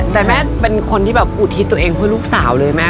แต่แม่เป็นคนที่แบบอุทิศตัวเองเพื่อลูกสาวเลยแม่